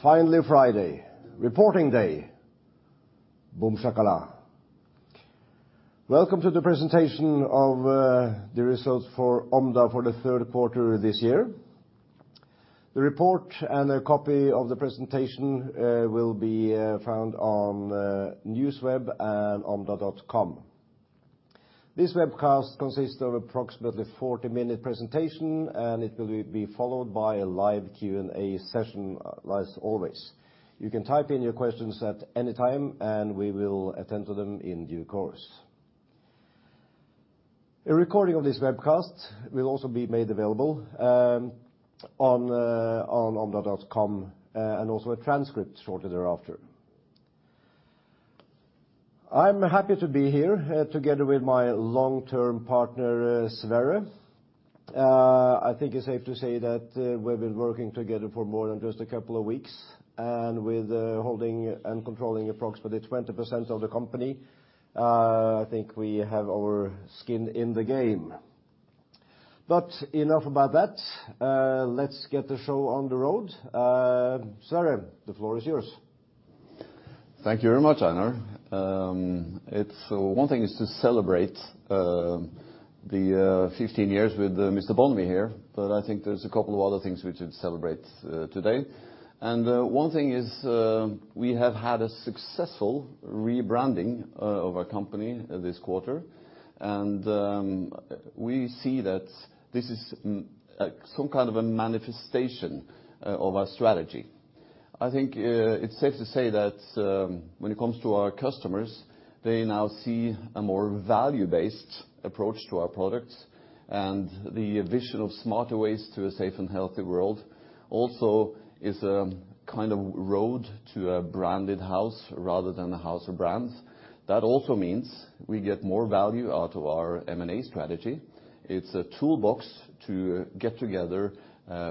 Finally, Friday, reporting day. Boom shakalaka! Welcome to the presentation of the results for Omda for the third quarter this year. The report and a copy of the presentation will be found on Newsweb and omda.com. This webcast consists of approximately 40-minute presentation, and it will be followed by a live Q&A session, as always. You can type in your questions at any time, and we will attend to them in due course. A recording of this webcast will also be made available on omda.com, and also a transcript shortly thereafter. I'm happy to be here together with my long-term partner Sverre. I think it's safe to say that we've been working together for more than just a couple of weeks, and with holding and controlling approximately 20% of the company, I think we have our skin in the game. But enough about that, let's get the show on the road. Sverre, the floor is yours. Thank you very much, Einar. It's one thing is to celebrate the 15 years with Mr. Bonnevie here, but I think there's a couple of other things we should celebrate today. And one thing is we have had a successful rebranding of our company this quarter, and we see that this is some kind of a manifestation of our strategy. I think it's safe to say that when it comes to our customers, they now see a more value-based approach to our products. And the vision of smarter ways to a safe and healthy world also is a kind of road to a branded house rather than a house of brands. That also means we get more value out of our M&A strategy. It's a toolbox to get together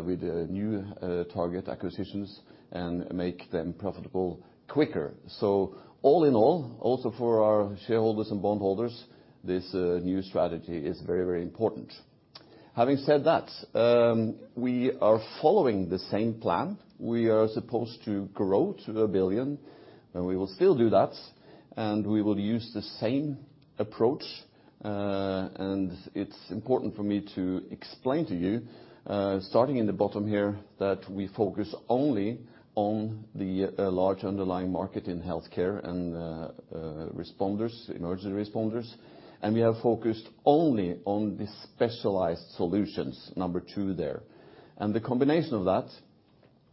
with new target acquisitions and make them profitable quicker. So all in all, also for our shareholders and bondholders, this new strategy is very, very important. Having said that, we are following the same plan. We are supposed to grow to 1 billion, and we will still do that, and we will use the same approach. And it's important for me to explain to you, starting in the bottom here, that we focus only on the large underlying market in healthcare and responders, emergency responders. And we have focused only on the specialized solutions, number two there. And the combination of that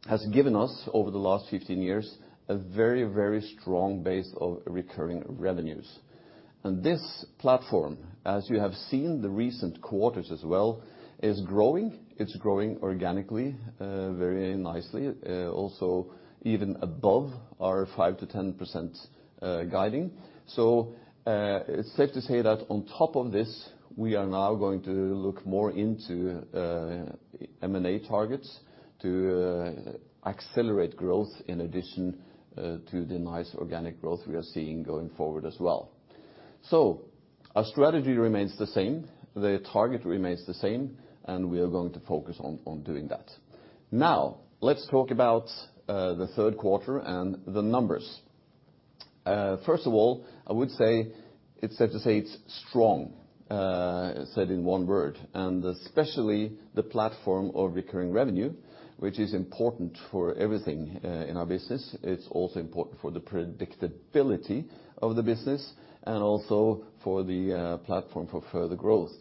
has given us, over the last 15 years, a very, very strong base of recurring revenues. And this platform, as you have seen the recent quarters as well, is growing. It's growing organically, very nicely, also even above our 5%-10% guidance. So, it's safe to say that on top of this, we are now going to look more into M&A targets to accelerate growth in addition to the nice organic growth we are seeing going forward as well. So our strategy remains the same, the target remains the same, and we are going to focus on doing that. Now, let's talk about the third quarter and the numbers. First of all, I would say it's safe to say it's strong, said in one word, and especially the platform of recurring revenue, which is important for everything in our business. It's also important for the predictability of the business and also for the platform for further growth.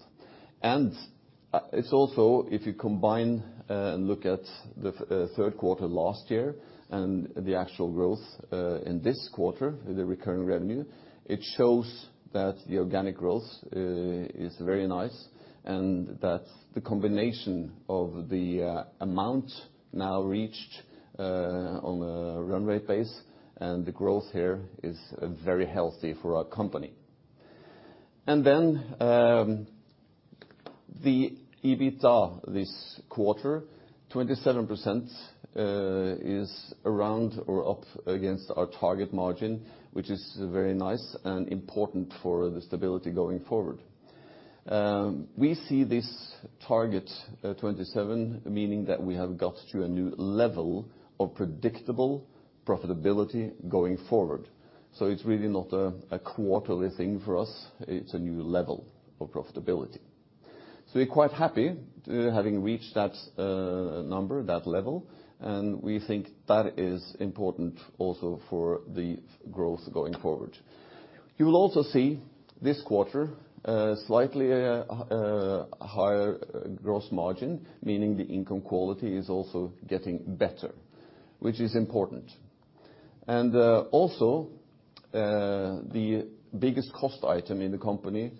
It's also, if you combine and look at the third quarter last year and the actual growth in this quarter, the recurring revenue, it shows that the organic growth is very nice, and that the combination of the amount now reached on a run rate basis and the growth here is very healthy for our company. Then, the EBITDA this quarter, 27%, is around or up against our target margin, which is very nice and important for the stability going forward. We see this target, 27%, meaning that we have got to a new level of predictable profitability going forward. So it's really not a quarterly thing for us, it's a new level of profitability. So we're quite happy, having reached that, number, that level, and we think that is important also for the growth going forward. You will also see this quarter, slightly, higher gross margin, meaning the income quality is also getting better, which is important. And, also, the biggest cost item in the company,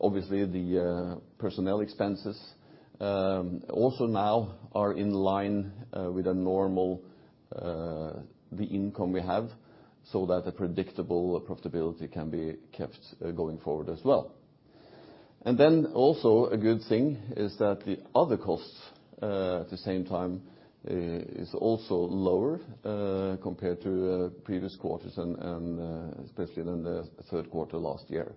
obviously, the, personnel expenses, also now are in line, with a normal, the income we have, so that a predictable profitability can be kept, going forward as well. And then also a good thing is that the other costs, at the same time, is also lower, compared to, previous quarters and, and, especially in the third quarter last year.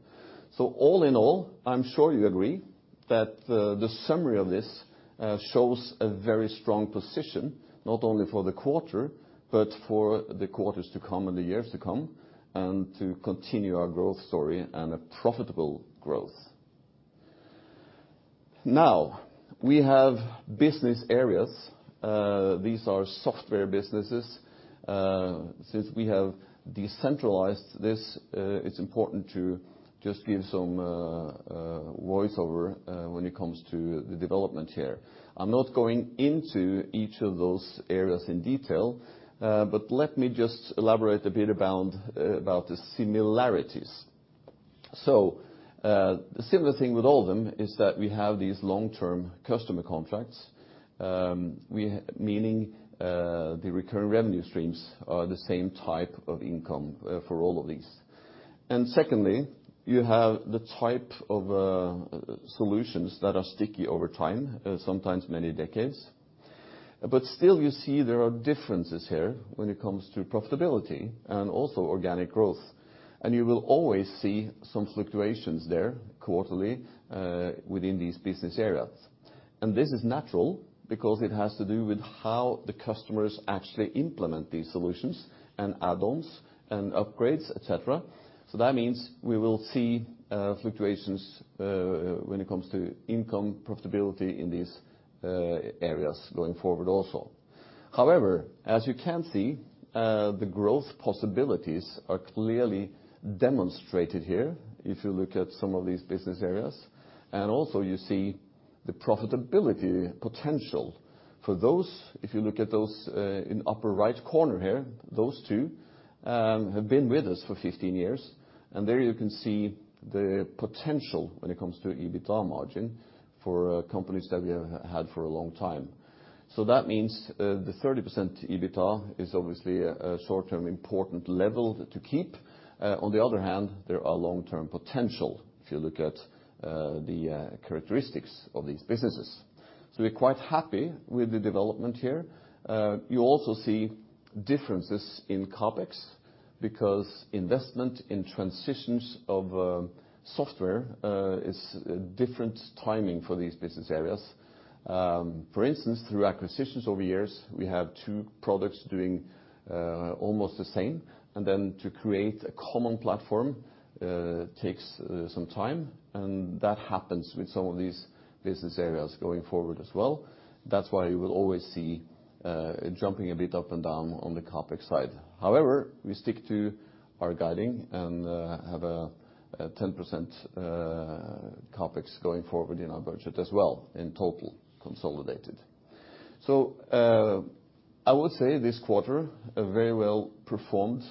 So all in all, I'm sure you agree-... that the summary of this shows a very strong position, not only for the quarter, but for the quarters to come and the years to come, and to continue our growth story and a profitable growth. Now, we have business areas. These are software businesses. Since we have decentralized this, it's important to just give some voiceover when it comes to the development here. I'm not going into each of those areas in detail, but let me just elaborate a bit about about the similarities. So, the similar thing with all of them is that we have these long-term customer contracts. Meaning, the recurring revenue streams are the same type of income for all of these. And secondly, you have the type of solutions that are sticky over time, sometimes many decades. Still, you see there are differences here when it comes to profitability and also organic growth, and you will always see some fluctuations there quarterly, within these business areas. This is natural, because it has to do with how the customers actually implement these solutions and add-ons and upgrades, et cetera. That means we will see fluctuations when it comes to income profitability in these areas going forward also. However, as you can see, the growth possibilities are clearly demonstrated here if you look at some of these business areas, and also you see the profitability potential. For those, if you look at those, in upper right corner here, those two, have been with us for 15 years, and there you can see the potential when it comes to EBITDA margin for, companies that we have had for a long time. So that means, the 30% EBITDA is obviously a, a short-term important level to keep. On the other hand, there are long-term potential if you look at, the, characteristics of these businesses. So we're quite happy with the development here. You also see differences in CapEx, because investment in transitions of, software, is, different timing for these business areas. For instance, through acquisitions over years, we have two products doing almost the same, and then to create a common platform takes some time, and that happens with some of these business areas going forward as well. That's why you will always see it jumping a bit up and down on the CapEx side. However, we stick to our guiding and have a 10% CapEx going forward in our budget as well, in total, consolidated. So, I would say this quarter, a very well-performed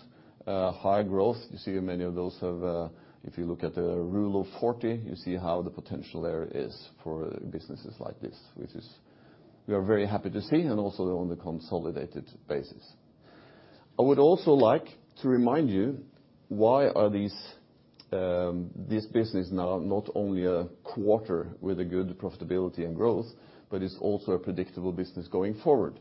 high growth. You see many of those have... If you look at the Rule of Forty, you see how the potential there is for businesses like this, which is we are very happy to see, and also on the consolidated basis. I would also like to remind you, why are these, this business now not only a quarter with a good profitability and growth, but it's also a predictable business going forward?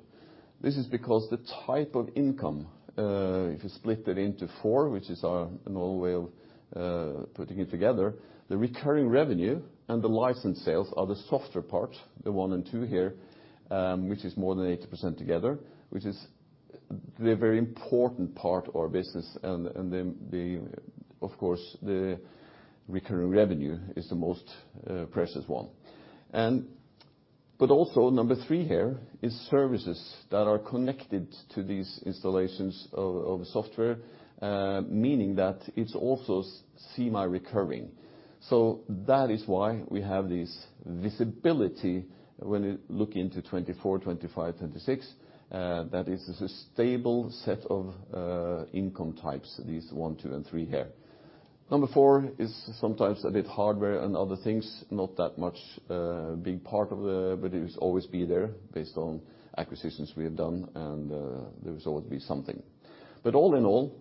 This is because the type of income, if you split it into four, which is our normal way of putting it together, the recurring revenue and the license sales are the softer part, the one and two here, which is more than 80% together, which is the very important part of our business. And then, of course, the recurring revenue is the most precious one. But also, number three here is services that are connected to these installations of software, meaning that it's also semi-recurring. So that is why we have this visibility when you look into 2024, 2025, 2026, that is a stable set of income types, these one, two, and three here. Number four is sometimes a bit hardware and other things, not that much, big part of the but it is always be there based on acquisitions we have done, and there will always be something. But all in all,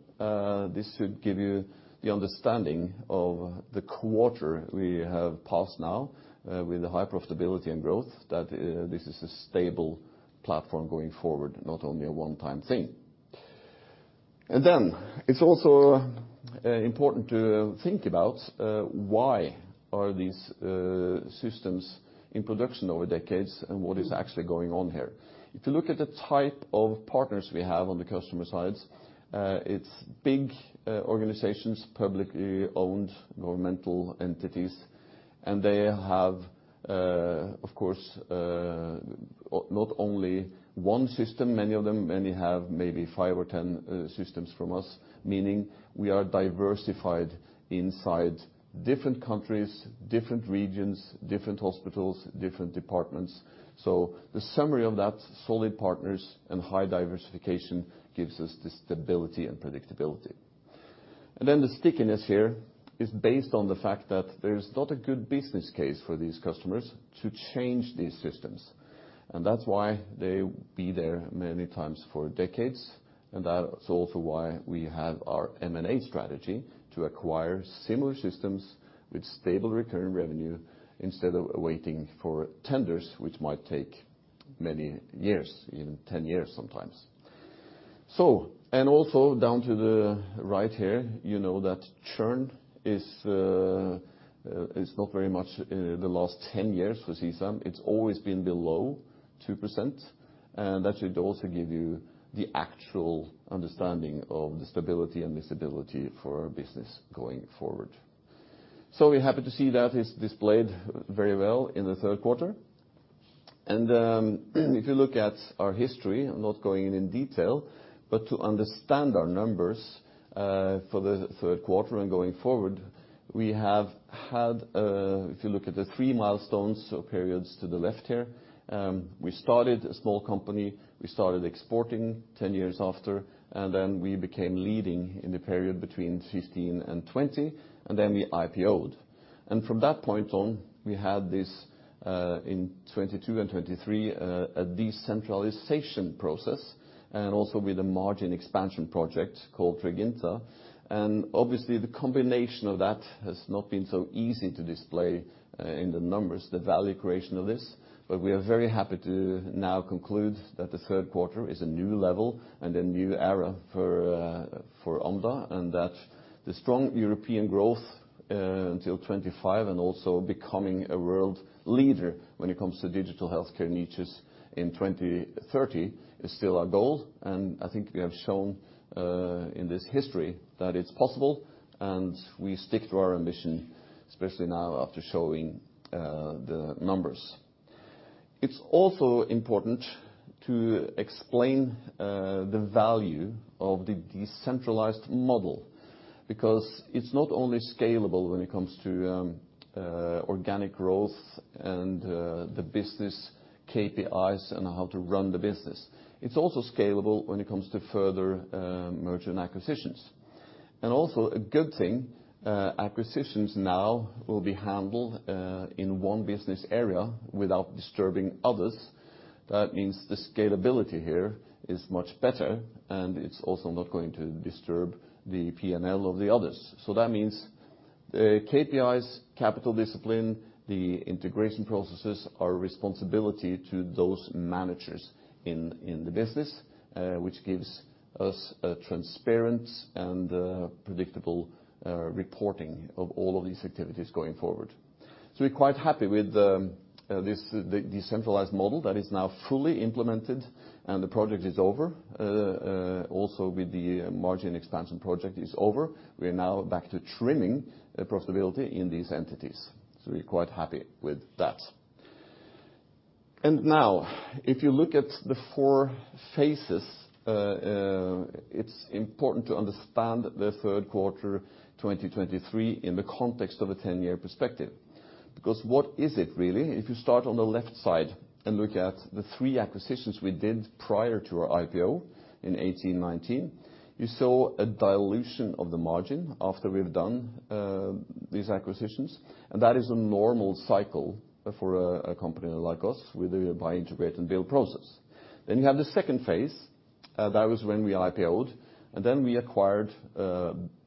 this should give you the understanding of the quarter we have passed now, with the high profitability and growth, that this is a stable platform going forward, not only a one-time thing. And then it's also important to think about why are these systems in production over decades, and what is actually going on here? If you look at the type of partners we have on the customer sides, it's big organizations, publicly owned governmental entities, and they have, of course, not only one system, many of them, many have maybe 5 or 10 systems from us, meaning we are diversified inside different countries, different regions, different hospitals, different departments. So the summary of that, solid partners and high diversification gives us the stability and predictability. And then the stickiness here is based on the fact that there's not a good business case for these customers to change these systems, and that's why they be there many times for decades. And that's also why we have our M&A strategy to acquire similar systems with stable recurring revenue instead of waiting for tenders, which might take many years, even 10 years sometimes. So, and also down to the right here, you know that churn is not very much the last 10 years for CSAM. It's always been below 2%, and that should also give you the actual understanding of the stability and viability for our business going forward. So we're happy to see that is displayed very well in the third quarter. And, if you look at our history, I'm not going in detail, but to understand our numbers for the third quarter and going forward, we have had, if you look at the three milestones, so periods to the left here, we started a small company, we started exporting 10 years after, and then we became leading in the period between 2015 and 2020, and then we IPO'd. From that point on, we had this in 2022 and 2023, a decentralization process, and also with a margin expansion project called Triginta. And obviously, the combination of that has not been so easy to display in the numbers, the value creation of this, but we are very happy to now conclude that the third quarter is a new level and a new era for Omda. And that the strong European growth until 2025, and also becoming a world leader when it comes to digital healthcare niches in 2030, is still our goal, and I think we have shown in this history that it is possible, and we stick to our ambition, especially now after showing the numbers. It's also important to explain the value of the decentralized model, because it's not only scalable when it comes to organic growth and the business KPIs and how to run the business. It's also scalable when it comes to further merger and acquisitions. And also a good thing, acquisitions now will be handled in one business area without disturbing others. That means the scalability here is much better, and it's also not going to disturb the P&L of the others. So that means the KPIs, capital discipline, the integration processes, are a responsibility to those managers in the business, which gives us a transparent and predictable reporting of all of these activities going forward. So we're quite happy with this, the decentralized model that is now fully implemented and the project is over. Also with the margin expansion project is over. We're now back to trimming the profitability in these entities. So we're quite happy with that. And now, if you look at the four phases, it's important to understand the third quarter 2023 in the context of a ten-year perspective. Because what is it really? If you start on the left side and look at the three acquisitions we did prior to our IPO in 2018, 2019, you saw a dilution of the margin after we've done these acquisitions, and that is a normal cycle for a company like us with a buy, integrate, and build process. Then you have the second phase, that was when we IPO'd, and then we acquired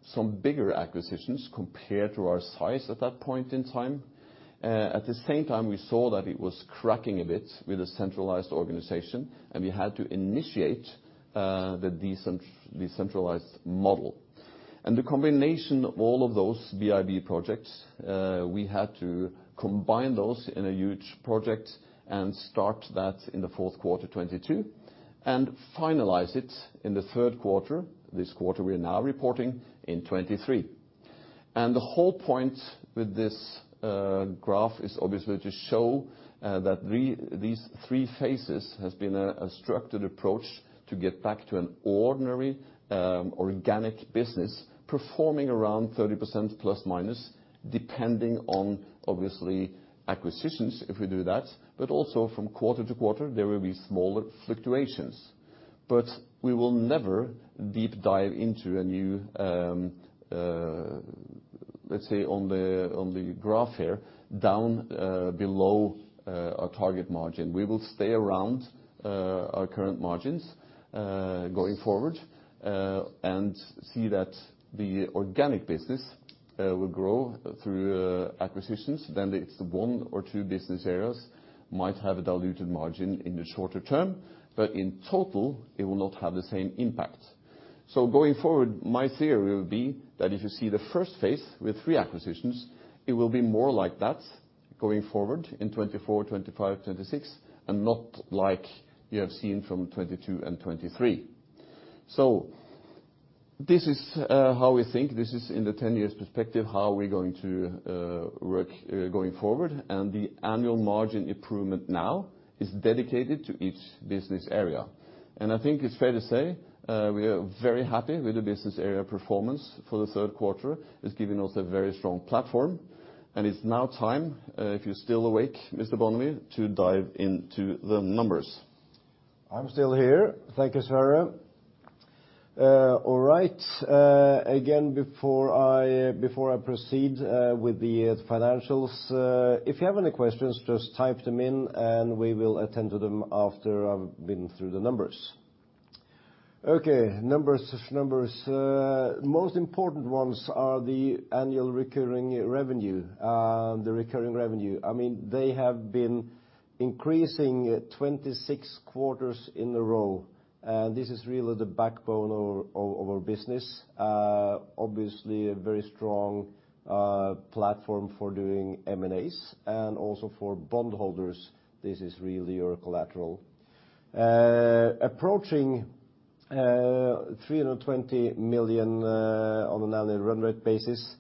some bigger acquisitions compared to our size at that point in time. At the same time, we saw that it was cracking a bit with a centralized organization, and we had to initiate the decentralized model. The combination of all of those BIB projects, we had to combine those in a huge project and start that in the fourth quarter 2022, and finalize it in the third quarter, this quarter we are now reporting, in 2023. The whole point with this graph is obviously to show that these three phases has been a structured approach to get back to an ordinary organic business performing around 30% plus, minus, depending on, obviously, acquisitions, if we do that. But also from quarter to quarter, there will be smaller fluctuations. We will never deep dive into a new. Let's say on the graph here, down below our target margin. We will stay around our current margins going forward and see that the organic business will grow through acquisitions. Then it's one or two business areas might have a diluted margin in the shorter term, but in total, it will not have the same impact. So going forward, my theory would be that if you see the first phase with three acquisitions, it will be more like that going forward in 2024, 2025, 2026, and not like you have seen from 2022 and 2023. So this is how we think. This is in the 10-year perspective, how we're going to work going forward, and the annual margin improvement now is dedicated to each business area. And I think it's fair to say, we are very happy with the business area performance for the third quarter. It's given us a very strong platform, and it's now time, if you're still awake, Mr. Bonnevie, to dive into the numbers. I'm still here. Thank you, Sverre. All right. Again, before I proceed with the financials, if you have any questions, just type them in and we will attend to them after I've been through the numbers. Okay, numbers is numbers. Most important ones are the annual recurring revenue. The recurring revenue, I mean, they have been increasing 26 quarters in a row, and this is really the backbone of our business. Obviously, a very strong platform for doing M&As, and also for bondholders, this is really your collateral. Approaching 320 million on an annual run rate basis,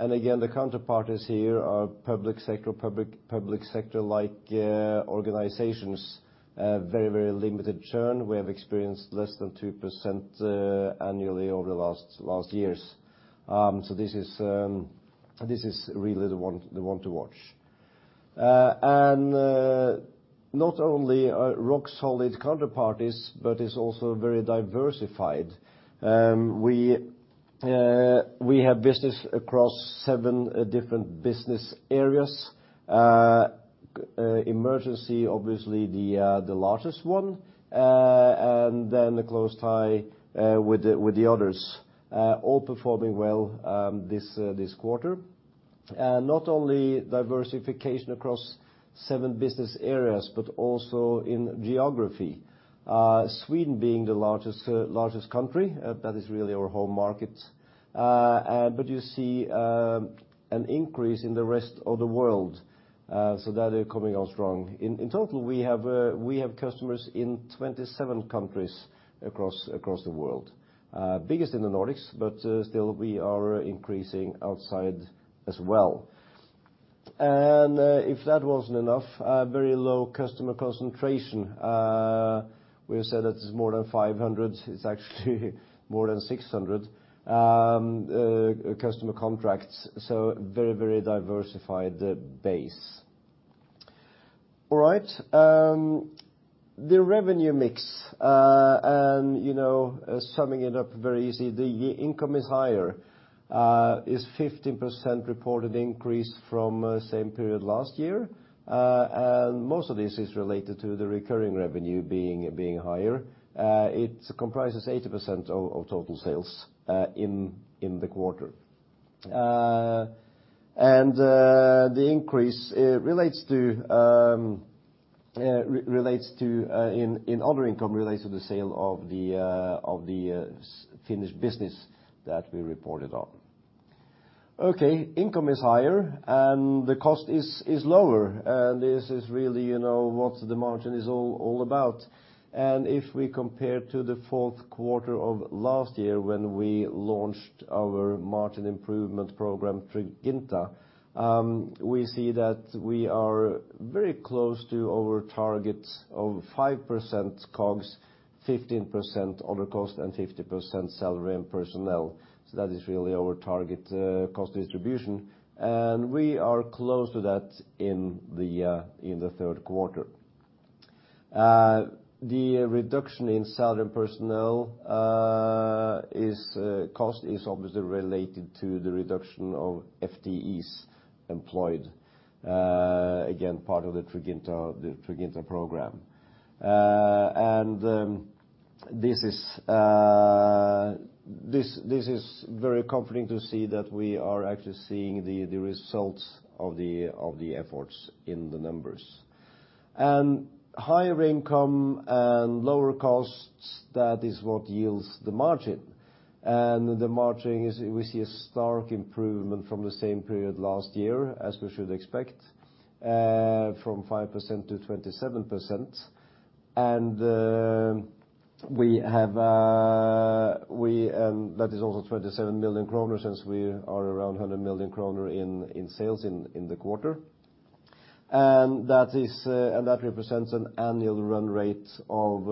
and again, the counterparties here are public sector, public sector-like organizations. Very, very limited churn. We have experienced less than 2% annually over the last years. So this is really the one, the one to watch. Not only are rock solid counterparties, but it's also very diversified. We have business across 7 different business areas. Emergency, obviously the largest one. And then a close tie with the others. All performing well, this quarter. Not only diversification across 7 business areas, but also in geography. Sweden being the largest country, that is really our home market. But you see an increase in the rest of the world, so that is coming on strong. In total, we have customers in 27 countries across the world. Biggest in the Nordics, but still we are increasing outside as well. If that wasn't enough, a very low customer concentration. We said that it's more than 500, it's actually more than 600 customer contracts, so very, very diversified base. All right. The revenue mix, and, you know, summing it up very easy, the income is higher. It's 15% reported increase from same period last year. And most of this is related to the recurring revenue being higher. It comprises 80% of total sales in the quarter. And the increase relates to, in other income, the sale of the Finnish business that we reported on. Okay, income is higher, and the cost is lower, and this is really, you know, what the margin is all about. If we compare to the fourth quarter of last year, when we launched our margin improvement program, Triginta, we see that we are very close to our target of 5% COGS, 15% other cost, and 50% salary and personnel. So that is really our target cost distribution, and we are close to that in the third quarter. The reduction in salary and personnel cost is obviously related to the reduction of FTEs employed. Again, part of the Triginta program. And this is very comforting to see that we are actually seeing the results of the efforts in the numbers. And higher income and lower costs, that is what yields the margin. The margin is—we see a stark improvement from the same period last year, as we should expect, from 5%-27%. And we have that is also 27 million kroner, since we are around 100 million kroner in sales in the quarter. And that represents an annual run rate of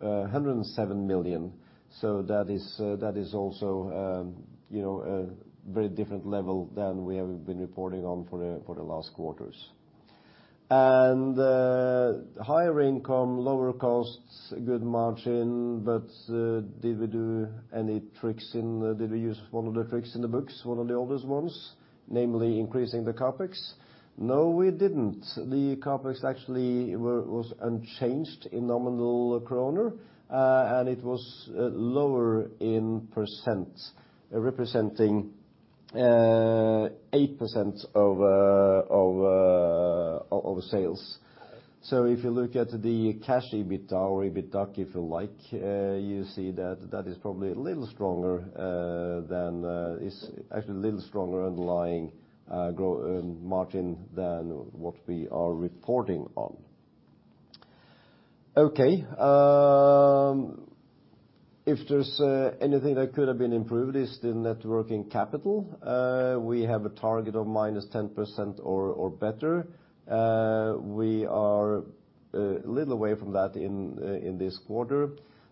107 million. So that is also, you know, a very different level than we have been reporting on for the last quarters. Higher income, lower costs, a good margin, but did we do any tricks in the—did we use one of the tricks in the books, one of the oldest ones, namely increasing the CapEx? No, we didn't. The CapEx actually were, was unchanged in nominal NOK, and it was lower in percent, representing 8% of sales. So if you look at the cash EBITDA or EBITDA, if you like, you see that that is probably a little stronger than is actually a little stronger underlying margin than what we are reporting on. Okay, if there's anything that could have been improved, it's the net working capital. We have a target of -10% or better. We are a little away from that in this quarter.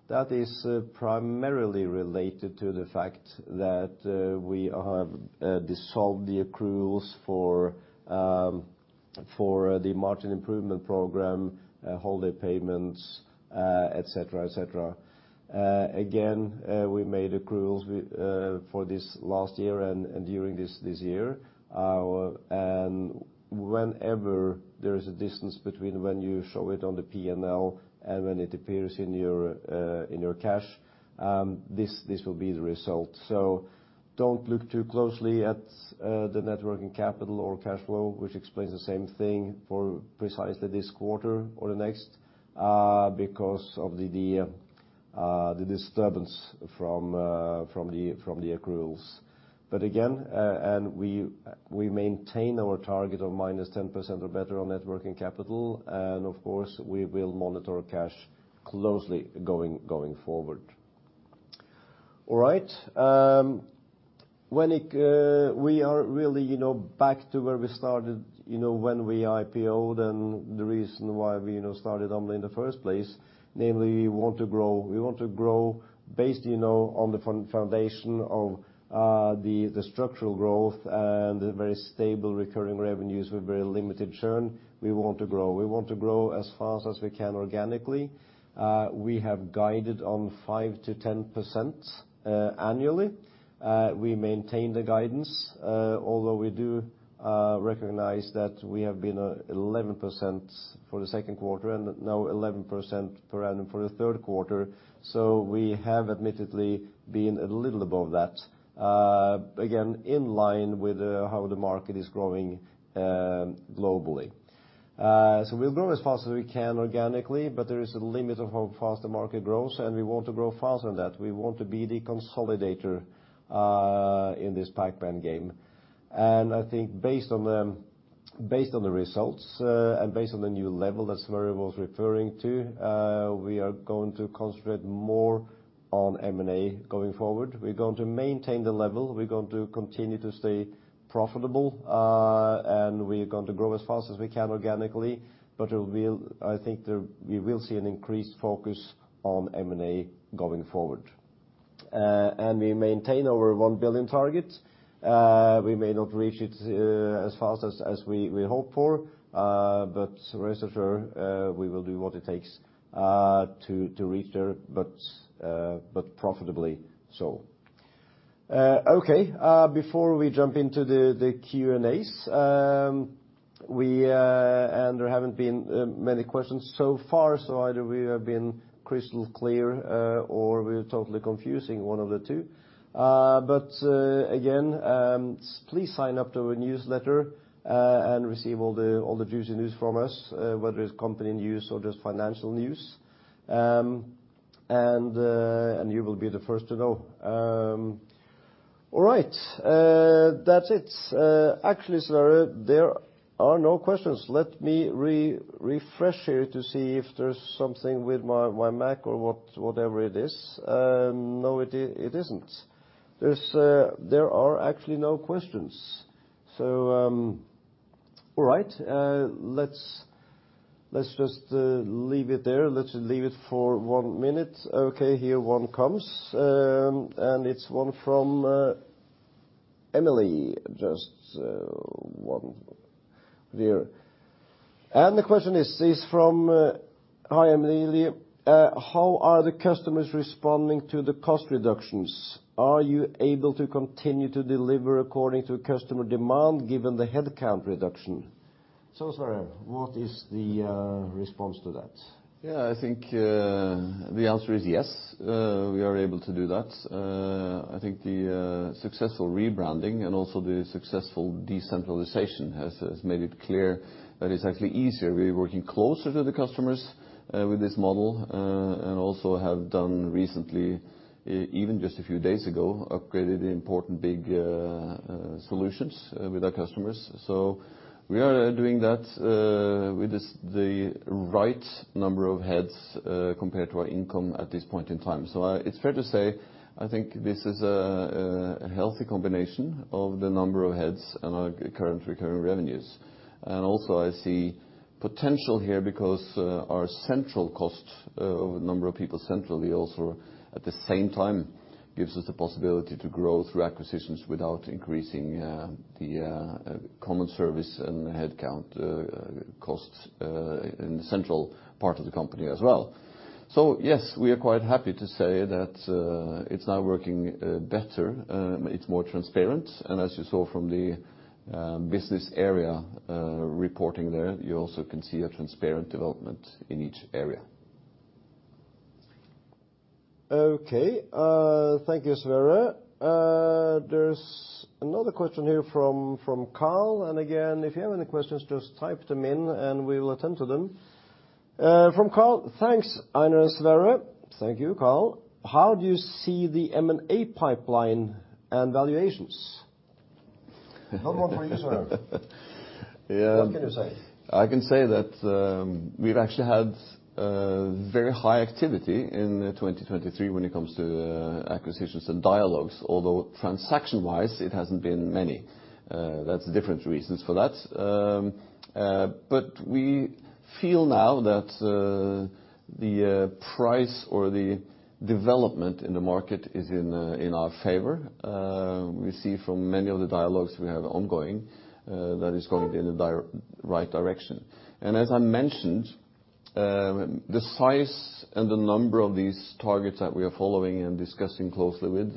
That is primarily related to the fact that we have dissolved the accruals for the margin improvement program, holiday payments, et cetera, et cetera. Again, we made accruals with for this last year and during this year. And whenever there is a distance between when you show it on the P&L and when it appears in your cash, this will be the result. So don't look too closely at the net working capital or cash flow, which explains the same thing for precisely this quarter or the next, because of the disturbance from the accruals. But again, and we maintain our target of minus 10% or better on Net Working Capital, and of course, we will monitor cash closely going forward. All right. When we are really, you know, back to where we started, you know, when we IPO'd, and the reason why we, you know, started Omda in the first place, namely, we want to grow. We want to grow based, you know, on the foundation of the structural growth and the very stable recurring revenues with very limited churn. We want to grow. We want to grow as fast as we can organically. We have guided on 5%-10% annually. We maintain the guidance, although we do recognize that we have been 11% for the second quarter, and now 11% for the third quarter. So we have admittedly been a little above that, again, in line with how the market is growing globally. So we'll grow as fast as we can organically, but there is a limit of how fast the market grows, and we want to grow faster than that. We want to be the consolidator in this pipe band game. And I think based on the results and based on the new level that Sverre was referring to, we are going to concentrate more on M&A going forward. We're going to maintain the level, we're going to continue to stay profitable, and we're going to grow as fast as we can organically, but we will see an increased focus on M&A going forward. And we maintain our 1 billion target. We may not reach it as fast as we hope for, but rest assured, we will do what it takes to reach there, but profitably so. Okay, before we jump into the Q&As, we—and there haven't been many questions so far, so either we have been crystal clear, or we're totally confusing, one of the two. But again, please sign up to our newsletter and receive all the juicy news from us, whether it's company news or just financial news. And you will be the first to know. All right. That's it. Actually, Sverre, there are no questions. Let me refresh here to see if there's something with my Mac or whatever it is. No, it isn't. There's, there are actually no questions. So, all right. Let's, let's just leave it there. Let's leave it for one minute. Okay, here one comes, and it's one from Emily. Just, one there. And the question is, is from... Hi, Emily. How are the customers responding to the cost reductions? Are you able to continue to deliver according to customer demand, given the headcount reduction? So Sverre, what is the response to that? Yeah, I think, the answer is yes, we are able to do that. I think the, successful rebranding and also the successful decentralization has made it clear that it's actually easier. We're working closer to the customers, with this model, and also have done recently, even just a few days ago, upgraded important big solutions, with our customers. So we are doing that, with this, the right number of heads, compared to our income at this point in time. So, it's fair to say, I think this is a, a healthy combination of the number of heads and our current recurring revenues. Also, I see potential here because our central cost of number of people centrally also, at the same time, gives us the possibility to grow through acquisitions without increasing the common service and the headcount costs in the central part of the company as well. So yes, we are quite happy to say that it's now working better. It's more transparent, and as you saw from the business area reporting there, you also can see a transparent development in each area. Okay, thank you, Sverre. There's another question here from Carl. And again, if you have any questions, just type them in and we will attend to them. From Carl: "Thanks, Einar and Sverre." Thank you, Carl. "How do you see the M&A pipeline and valuations?" One more for you, Sverre. Yeah. What can you say? I can say that, we've actually had very high activity in 2023 when it comes to acquisitions and dialogues, although transaction-wise, it hasn't been many. That's different reasons for that. But we feel now that the price or the development in the market is in our favor. We see from many of the dialogues we have ongoing that it's going in the right direction. And as I mentioned, the size and the number of these targets that we are following and discussing closely with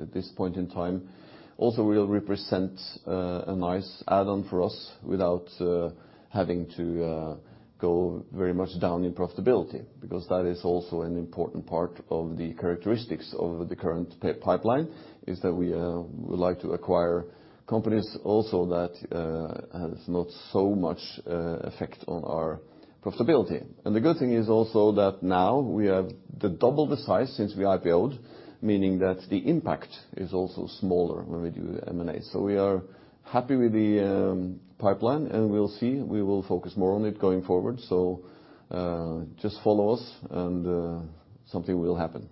at this point in time also will represent a nice add-on for us without having to go very much down in profitability. Because that is also an important part of the characteristics of the current pipeline, is that we would like to acquire companies also that has not so much effect on our profitability. And the good thing is also that now we have double the size since we IPO'd, meaning that the impact is also smaller when we do M&A. So we are happy with the pipeline, and we'll see. We will focus more on it going forward. So just follow us, and something will happen.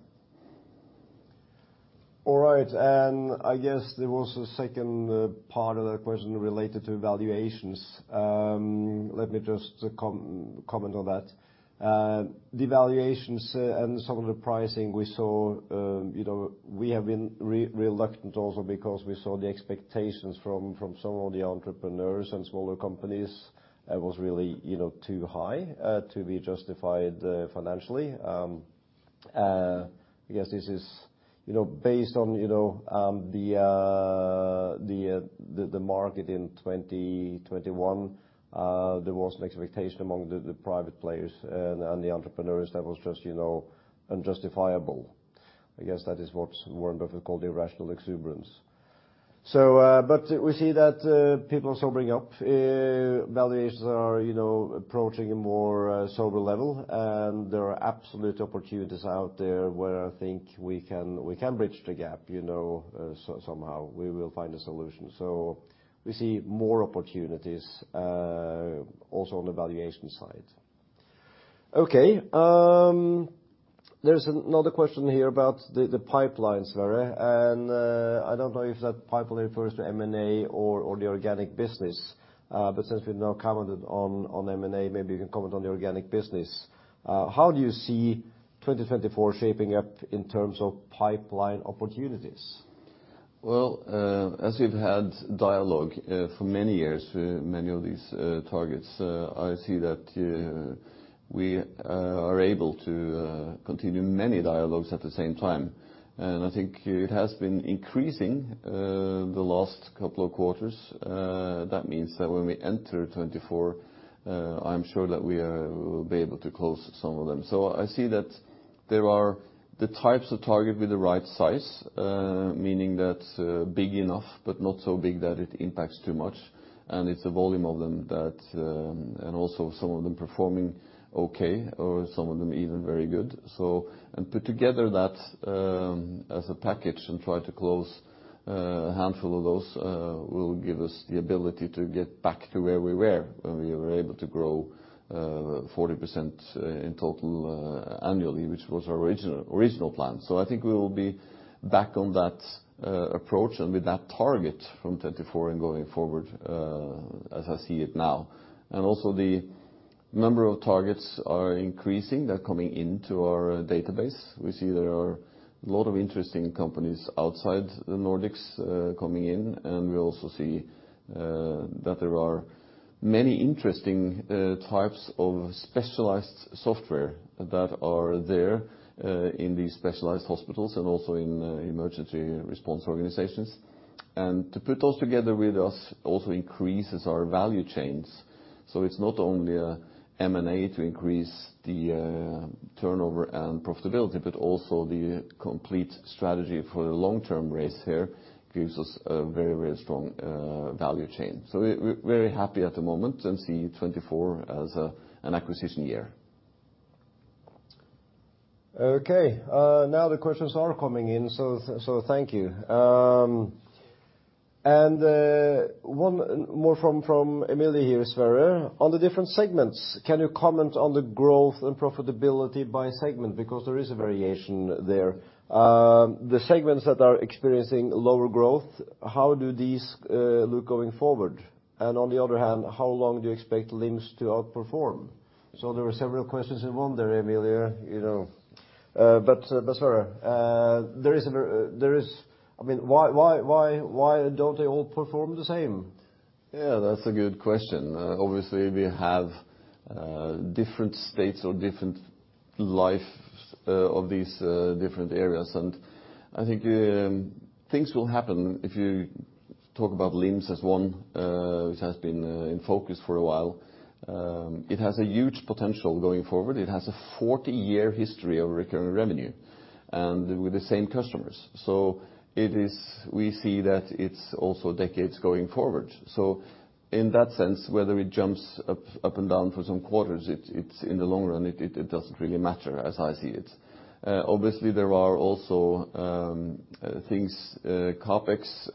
All right, and I guess there was a second part of that question related to evaluations. Let me just comment on that. The valuations and some of the pricing we saw, you know, we have been reluctant also because we saw the expectations from some of the entrepreneurs and smaller companies was really, you know, too high to be justified financially. Because this is, you know, based on the market in 2021, there was an expectation among the private players and the entrepreneurs that was just, you know, unjustifiable. I guess that is what Warren Buffett called irrational exuberance. So, but we see that people are sobering up. Valuations are, you know, approaching a more sober level, and there are absolute opportunities out there where I think we can, we can bridge the gap, you know, so somehow we will find a solution. So we see more opportunities also on the valuation side. Okay, there's another question here about the pipelines, Sverre, and I don't know if that pipeline refers to M&A or the organic business. But since we've now commented on M&A, maybe you can comment on the organic business. How do you see 2024 shaping up in terms of pipeline opportunities? Well, as we've had dialogue for many years with many of these targets, I see that we are able to continue many dialogues at the same time, and I think it has been increasing the last couple of quarters. That means that when we enter 2024, I'm sure that we will be able to close some of them. So I see that there are the types of target with the right size, meaning that big enough, but not so big that it impacts too much, and it's a volume of them that... And also some of them performing okay, or some of them even very good. So, and put together that, as a package and try to close a handful of those, will give us the ability to get back to where we were, when we were able to grow 40% in total annually, which was our original plan. So I think we will be back on that approach and with that target from 2024 and going forward, as I see it now. And also, the number of targets are increasing. They're coming into our database. We see there are a lot of interesting companies outside the Nordics coming in, and we also see that there are many interesting types of specialized software that are there in these specialized hospitals and also in emergency response organizations. And to put those together with us also increases our value chains. It's not only M&A to increase the turnover and profitability, but also the complete strategy for the long-term race here gives us a very, very strong value chain. We're very happy at the moment and see 2024 as an acquisition year. Okay, now the questions are coming in, so thank you. And one more from Emily here, Sverre. On the different segments, can you comment on the growth and profitability by segment? Because there is a variation there. The segments that are experiencing lower growth, how do these look going forward? And on the other hand, how long do you expect LIMS to outperform? So there are several questions in one there, Emily, you know. But Sverre, there is... I mean, why, why, why, why don't they all perform the same? Yeah, that's a good question. Obviously, we have different states or different life of these different areas, and I think things will happen. If you talk about LIMS as one, which has been in focus for a while, it has a huge potential going forward. It has a 40-year history of recurring revenue and with the same customers. So it is- we see that it's also decades going forward. So in that sense, whether it jumps up and down for some quarters, it's in the long run, it doesn't really matter, as I see it. Obviously, there are also things, CapEx,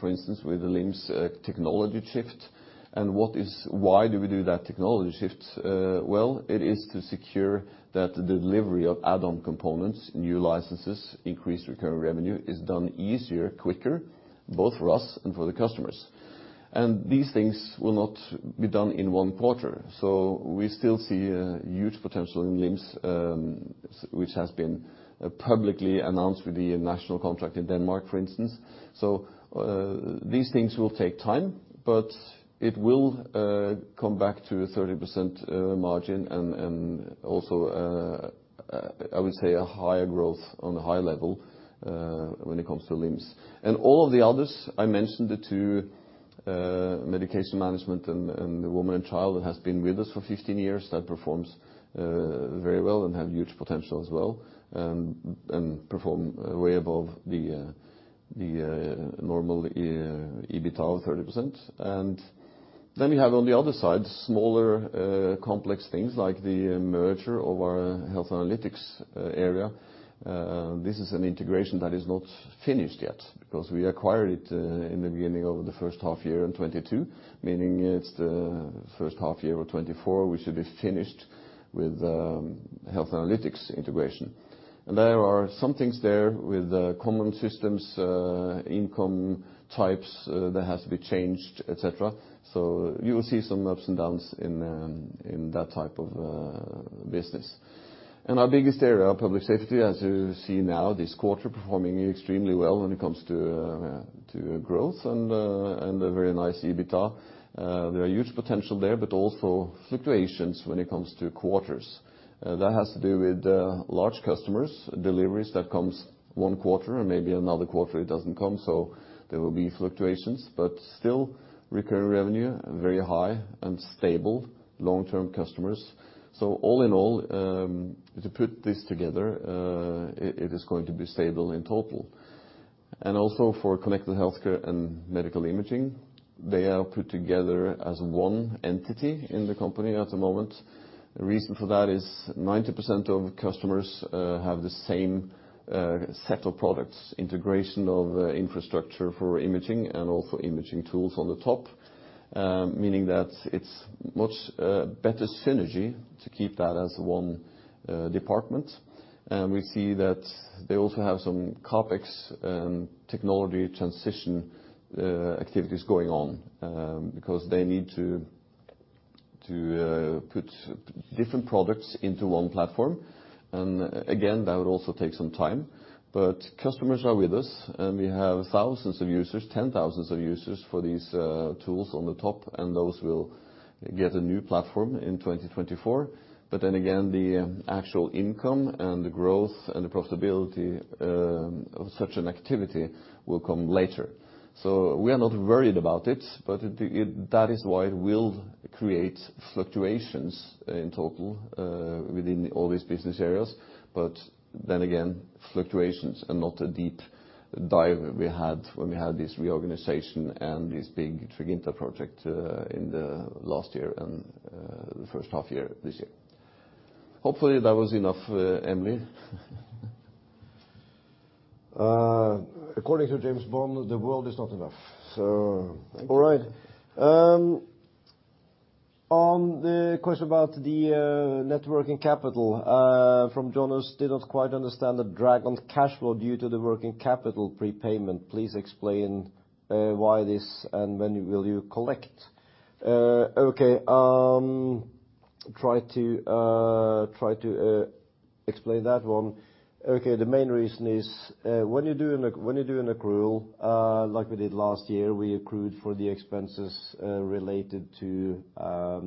for instance, with the LIMS, technology shift. And what is- why do we do that technology shift? Well, it is to secure that the delivery of add-on components, new licenses, increased recurring revenue, is done easier, quicker, both for us and for the customers. And these things will not be done in one quarter, so we still see a huge potential in LIMS, which has been publicly announced with the national contract in Denmark, for instance. So, these things will take time, but it will come back to a 30% margin, and also, I would say a higher growth on a higher level.... when it comes to LIMS. All of the others, I mentioned the two, Medication Management and, and the Woman and Child that has been with us for 15 years, that performs, very well and have huge potential as well, and perform way above the, the, normal, EBITDA of 30%. Then we have on the other side, smaller, complex things like the merger of our Health Analytics, area. This is an integration that is not finished yet because we acquired it, in the beginning of the first half year in 2022, meaning it's the first half year of 2024, we should be finished with, Health Analytics integration. And there are some things there with, common systems, income types, that has to be changed, et cetera. So you will see some ups and downs in in that type of business. Our biggest area, Public Safety, as you see now, this quarter performing extremely well when it comes to to growth and and a very nice EBITDA. There are huge potential there, but also fluctuations when it comes to quarters. That has to do with large customers, deliveries that comes one quarter and maybe another quarter it doesn't come, so there will be fluctuations. But still, recurring revenue, very high and stable, long-term customers. So all in all, to put this together, it, it is going to be stable in total. And also for Connected Healthcare and Medical Imaging, they are put together as one entity in the company at the moment. The reason for that is 90% of customers have the same set of products, integration of infrastructure for imaging and also imaging tools on the top, meaning that it's much better synergy to keep that as one department. And we see that they also have some CapEx and technology transition activities going on, because they need to put different products into one platform. And again, that would also take some time, but customers are with us, and we have thousands of users, 10,000 users for these tools on the top, and those will get a new platform in 2024. But then again, the actual income and the growth and the profitability of such an activity will come later. So we are not worried about it, but it-- that is why it will create fluctuations in total within all these business areas. But then again, fluctuations are not a deep dive we had when we had this reorganization and this big Triginta project in the last year and the first half year this year. Hopefully, that was enough, Emily. According to James Bond, the world is not enough, so thank you. All right, on the question about the net working capital from Jonas, did not quite understand the drag on cash flow due to the working capital prepayment. Please explain why this and when will you collect? Okay, try to explain that one. Okay, the main reason is, when you do an accrual, like we did last year, we accrued for the expenses related to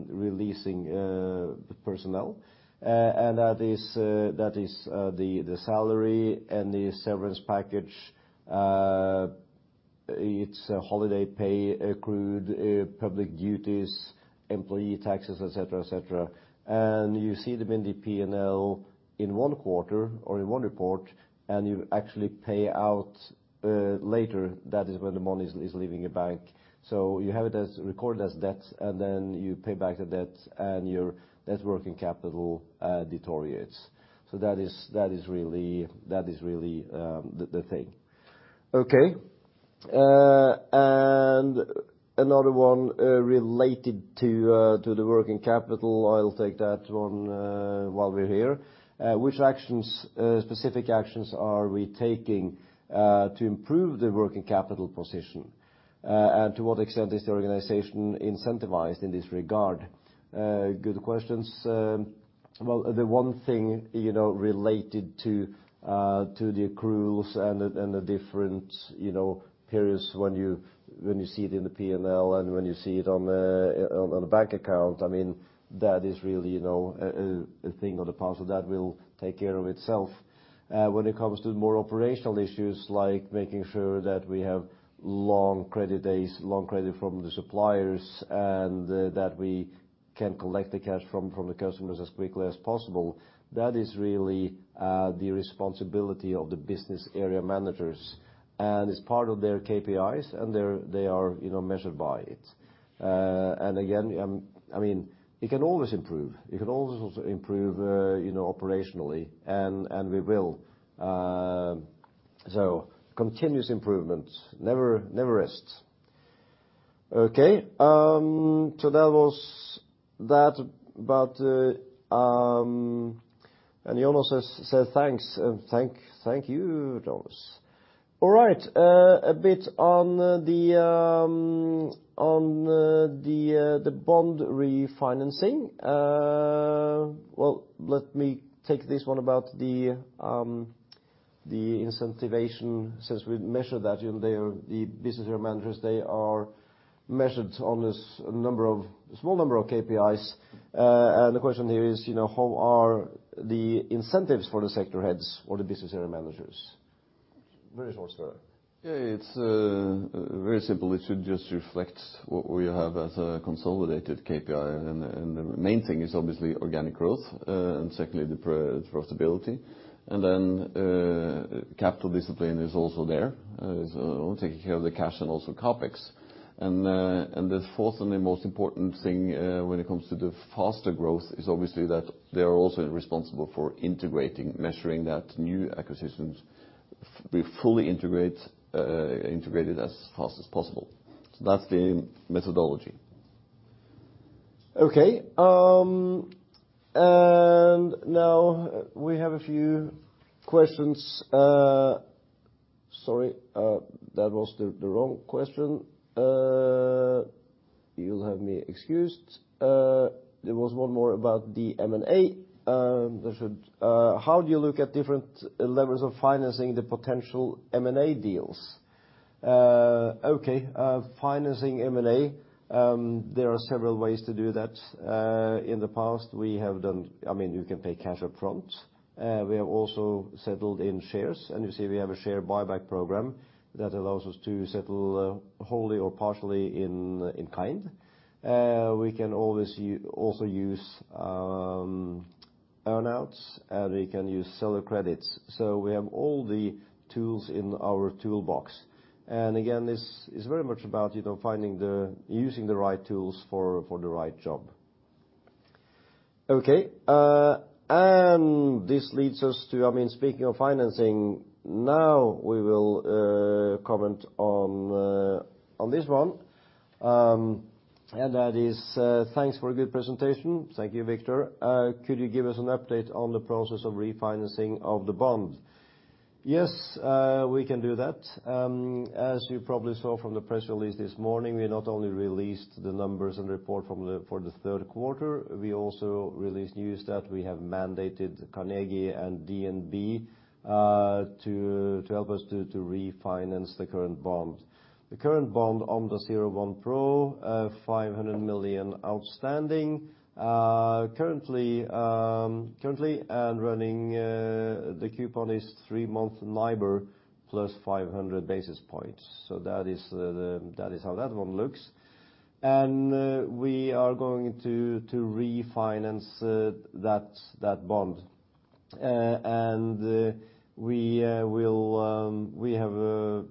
releasing personnel. And that is the salary and the severance package, it's a holiday pay, accrued, public duties, employee taxes, et cetera, et cetera. And you see them in the P&L in one quarter or in one report, and you actually pay out later, that is when the money is leaving your bank. So you have it as recorded as debts, and then you pay back the debt, and your Net Working Capital deteriorates. So that is really the thing. Okay, and another one related to the working capital, I'll take that one while we're here. Which actions, specific actions are we taking to improve the working capital position? And to what extent is the organization incentivized in this regard? Good questions. Well, the one thing, you know, related to the accruals and the different, you know, periods when you see it in the P&L and when you see it on the bank account, I mean, that is really, you know, a thing of the past that will take care of itself. When it comes to more operational issues, like making sure that we have long credit days, long credit from the suppliers, and that we can collect the cash from the customers as quickly as possible, that is really the responsibility of the business area managers, and it's part of their KPIs, and they are, you know, measured by it. And again, I mean, you can always improve. You can always also improve, you know, operationally, and we will. So continuous improvement, never rest. Okay, so that was that, but, and Jonas has said thanks. Thank you, Jonas. All right, a bit on the bond refinancing. Well, let me take this one about the incentivation, since we measured that. They are the business area managers, they are measured on this small number of KPIs. And the question here is, you know, how are the incentives for the sector heads or the business area managers? ... Very short story. Yeah, it's very simple. It should just reflect what we have as a consolidated KPI, and the main thing is obviously organic growth. And secondly, the profitability, and then capital discipline is also there. So taking care of the cash and also CapEx. And the fourth and the most important thing, when it comes to the faster growth is obviously that they are also responsible for integrating, measuring that new acquisitions be fully integrate, integrated as fast as possible. So that's the methodology. Okay, and now we have a few questions. Sorry, that was the wrong question. You'll have me excused. There was one more about the M&A. How do you look at different levels of financing the potential M&A deals? Okay, financing M&A, there are several ways to do that. In the past we have done... I mean, you can pay cash up front. We have also settled in shares, and you see we have a share buyback program that allows us to settle wholly or partially in kind. We can always also use earn-outs, and we can use seller credits. So we have all the tools in our toolbox. And again, this is very much about, you know, finding using the right tools for the right job. Okay, and this leads us to, I mean, speaking of financing, now, we will comment on this one. And that is, "Thanks for a good presentation." Thank you, Victor. "Could you give us an update on the process of refinancing of the bond?" Yes, we can do that. As you probably saw from the press release this morning, we not only released the numbers and report for the third quarter, we also released news that we have mandated Carnegie and DNB to help us to refinance the current bond. The current bond, the zero coupon, NOK 500 million outstanding. Currently, the coupon is three-month NIBOR plus 500 basis points. So that is how that one looks. We are going to refinance that bond. And we will we have a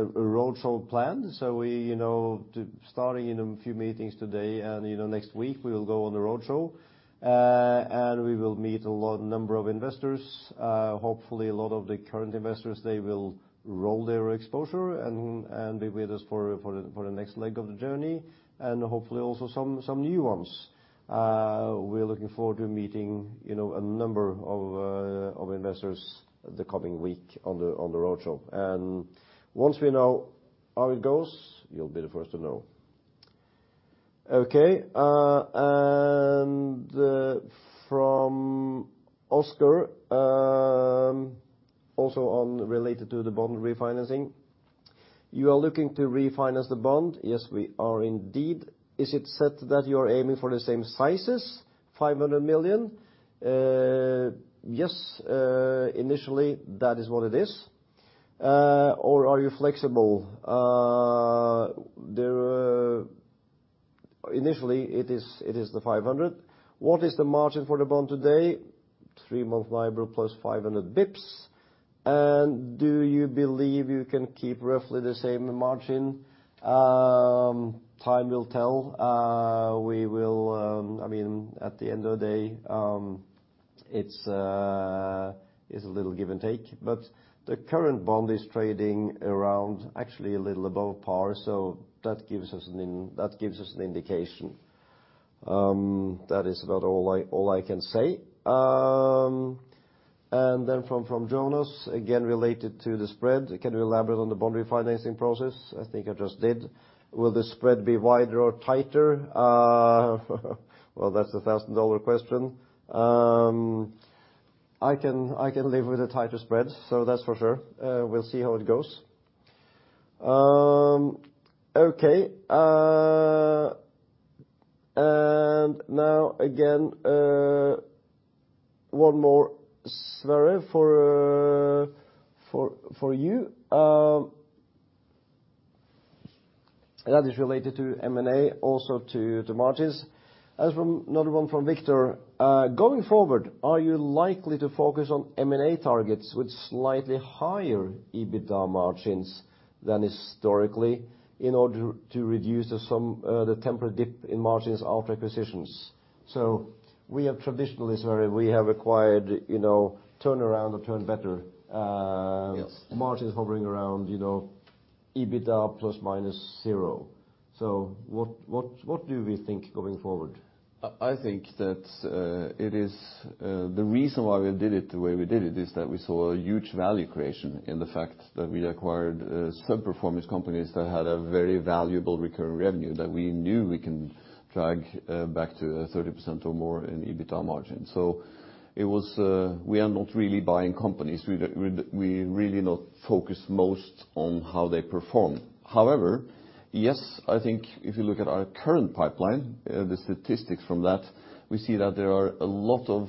roadshow plan, so we, you know, starting in a few meetings today, and, you know, next week we will go on the roadshow. And we will meet a large number of investors, hopefully, a lot of the current investors, they will roll their exposure and be with us for the next leg of the journey, and hopefully also some new ones. We're looking forward to meeting, you know, a number of investors the coming week on the roadshow. And once we know how it goes, you'll be the first to know. Okay, and from Oscar, also related to the bond refinancing. "You are looking to refinance the bond?" Yes, we are indeed. Is it set that you are aiming for the same sizes, 500 million?" Yes, initially, that is what it is. "Or are you flexible?" Initially, it is the 500 million. "What is the margin for the bond today?" Three-month NIBOR plus 500 basis points. "And do you believe you can keep roughly the same margin?" Time will tell. We will—I mean, at the end of the day, it's a little give and take, but the current bond is trading around, actually a little above par, so that gives us an indication. That is about all I can say. And then from Jonas, again, related to the spread: "Can you elaborate on the bond refinancing process?" I think I just did. Will the spread be wider or tighter?" Well, that's the thousand-dollar question. I can, I can live with the tighter spreads, so that's for sure. We'll see how it goes. Okay, and now again, one more, Sverre, for you. That is related to M&A, also to margins. As from another one from Vito: "Going forward, are you likely to focus on M&A targets with slightly higher EBITDA margins than historically, in order to reduce the some, the temporary dip in margins out acquisitions?" So we have traditionally, Sverre, we have acquired, you know, turnaround or turn better, Yes. margins hovering around, you know, EBITDA plus, minus zero. So what do we think going forward? I think that it is the reason why we did it the way we did it, is that we saw a huge value creation in the fact that we acquired sub-performance companies that had a very valuable recurring revenue, that we knew we can drag back to 30% or more in EBITDA margin. So it was, we are not really buying companies. We, we really not focused most on how they perform. However, yes, I think if you look at our current pipeline, the statistics from that, we see that there are a lot of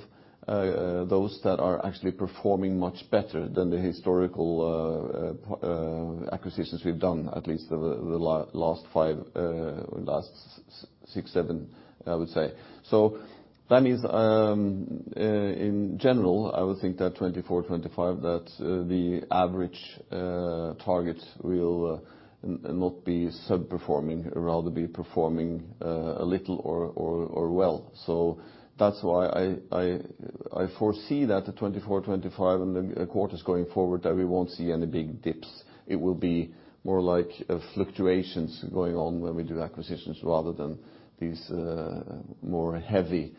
those that are actually performing much better than the historical acquisitions we've done, at least the last five, last six, seven, I would say. So that means, in general, I would think that 2024, 2025, that the average target will not be sub-performing, rather be performing a little or well. So that's why I foresee that the 2024, 2025, and then quarters going forward, that we won't see any big dips. It will be more like a fluctuations going on when we do acquisitions, rather than these more heavy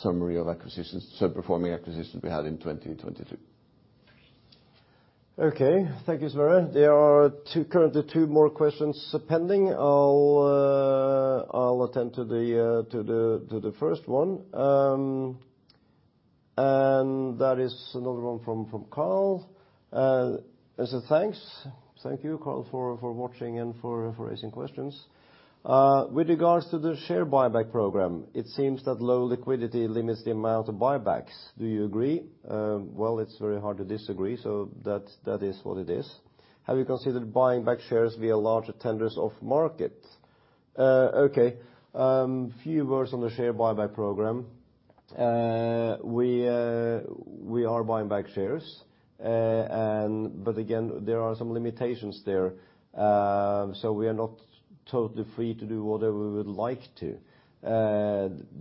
summary of acquisitions, sub-performing acquisitions we had in 2022. Okay, thank you, Sverre. There are currently two more questions pending. I'll attend to the first one. And that is another one from Carl. It says, "Thanks." Thank you, Carl, for watching and for asking questions. "With regards to the share buyback program, it seems that low liquidity limits the amount of buybacks. Do you agree?" Well, it's very hard to disagree, so that is what it is. "Have you considered buying back shares via larger tenders of market?" Okay, a few words on the share buyback program. We are buying back shares. But again, there are some limitations there. So we are not totally free to do whatever we would like to.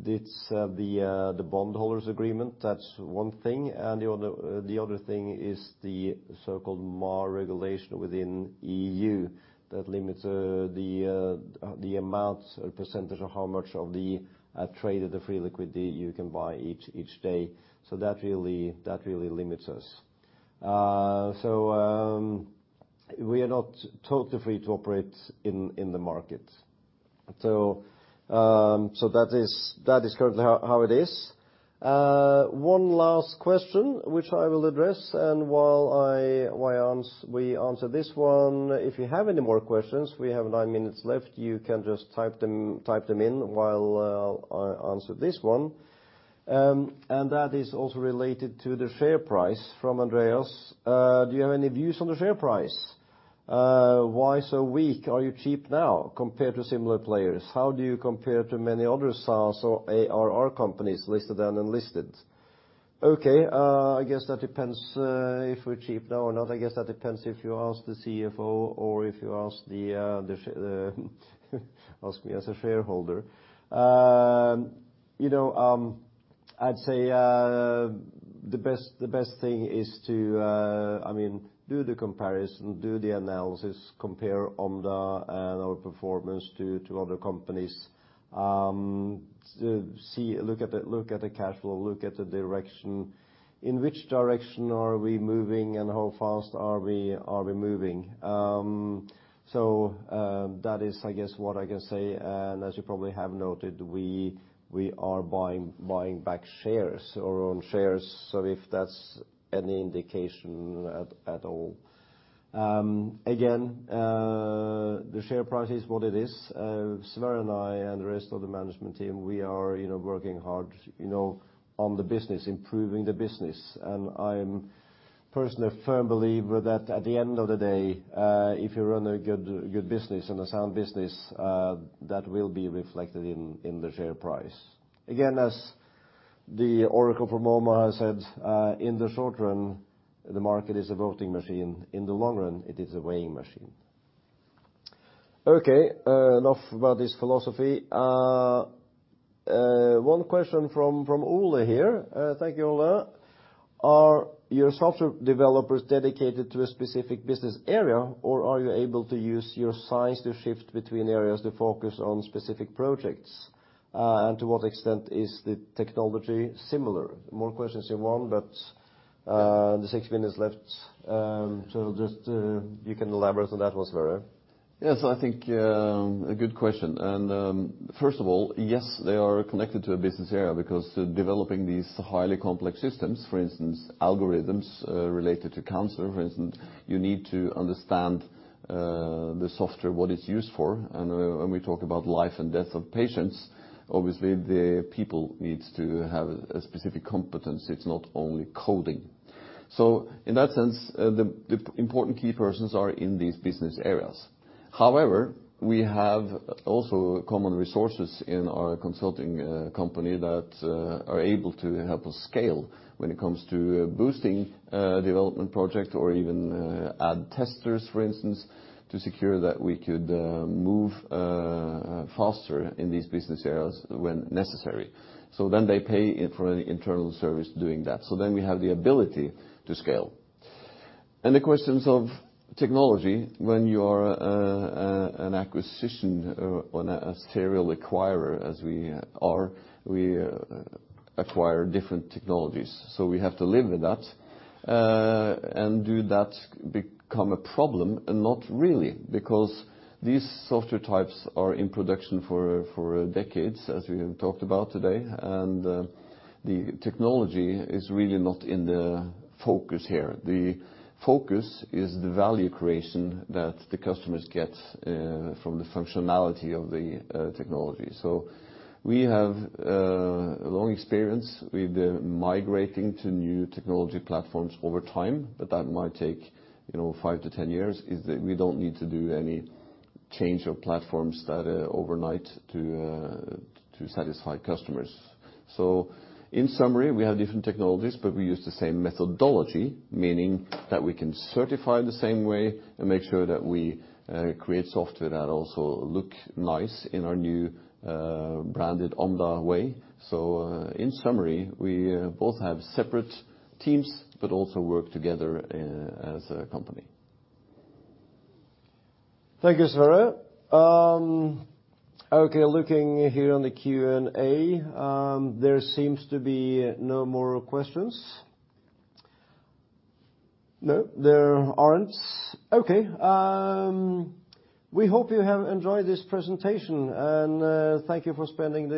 It's the bondholders' agreement, that's one thing, and the other thing is the so-called MAR regulation within EU that limits the amount or percentage of how much of the traded free liquidity you can buy each day. So that really limits us. So we are not totally free to operate in the market. So that is currently how it is. One last question, which I will address, and while we answer this one, if you have any more questions, we have nine minutes left, you can just type them in while I answer this one. And that is also related to the share price, from Andreas: "Do you have any views on the share price? Why so weak? Are you cheap now compared to similar players? How do you compare to many other SaaS or ARR companies, listed and unlisted?" Okay, I guess that depends, if we're cheap now or not, I guess that depends if you ask the CFO or if you ask me as a shareholder. You know, I'd say, the best, the best thing is to, I mean, do the comparison, do the analysis, compare Omda and our performance to, to other companies. To see- look at the, look at the cash flow, look at the direction. In which direction are we moving, and how fast are we, are we moving? So, that is, I guess, what I can say, and as you probably have noted, we are buying back shares, our own shares, so if that's any indication at all. Again, the share price is what it is. Sverre and I, and the rest of the management team, we are, you know, working hard, you know, on the business, improving the business. And I'm personally a firm believer that at the end of the day, if you run a good business and a sound business, that will be reflected in the share price. Again, as the oracle from Omaha said, "In the short run, the market is a voting machine. In the long run, it is a weighing machine." Okay, enough about this philosophy. One question from Ole here. Thank you, Ole. Are your software developers dedicated to a specific business area, or are you able to use your size to shift between areas to focus on specific projects? And to what extent is the technology similar?" More questions in one, but, the six minutes left, so just, you can elaborate on that one, Sverre. Yes, I think, a good question. And, first of all, yes, they are connected to a business area, because developing these highly complex systems, for instance, algorithms, related to cancer, for instance, you need to understand, the software, what it's used for. And, when we talk about life and death of patients, obviously, the people needs to have a specific competence. It's not only coding. So in that sense, the important key persons are in these business areas. However, we have also common resources in our consulting, company that, are able to help us scale when it comes to boosting, development projects or even, add testers, for instance, to secure that we could, move, faster in these business areas when necessary. So then they pay it for an internal service doing that, so then we have the ability to scale. And the questions of technology, when you are an acquisition or a serial acquirer, as we are, we acquire different technologies, so we have to live with that. And do that become a problem? Not really, because these software types are in production for decades, as we have talked about today, and the technology is really not in the focus here. The focus is the value creation that the customers get from the functionality of the technology. So we have a long experience with migrating to new technology platforms over time, but that might take, you know, 5 years-10 years, is that we don't need to do any change of platforms that overnight to to satisfy customers. So in summary, we have different technologies, but we use the same methodology, meaning that we can certify the same way and make sure that we create software that also look nice in our new branded Omda way. So in summary, we both have separate teams, but also work together as a company. Thank you, Sverre. Okay, looking here on the Q&A, there seems to be no more questions. No, there aren't. Okay, we hope you have enjoyed this presentation, and thank you for spending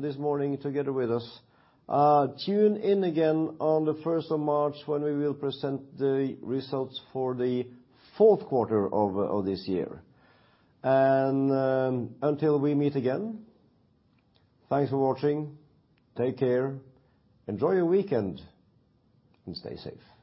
this morning together with us. Tune in again on the 1st of March, when we will present the results for the fourth quarter of this year. Until we meet again, thanks for watching. Take care, enjoy your weekend, and stay safe.